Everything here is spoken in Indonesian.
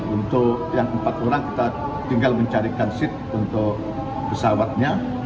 untuk yang empat orang kita tinggal mencarikan seat untuk pesawatnya